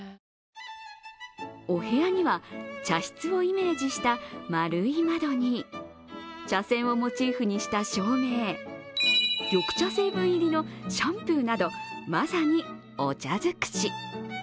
お部屋には茶室をイメージした丸い窓に、茶せんをモチーフにした照明、緑茶成分入りのシャンプーなどまさにお茶尽くし。